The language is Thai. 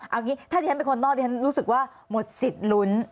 เอางี้ถ้าที่ฉันเป็นคนนอกที่ฉันรู้สึกว่าหมดสิทธิ์ลุ้น